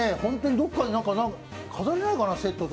どこかに飾れないかな、セットで。